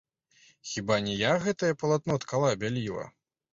Хіба не я гэтае палатно ткала, бяліла?